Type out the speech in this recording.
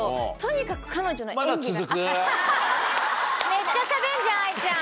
めっちゃ喋るじゃん愛ちゃん。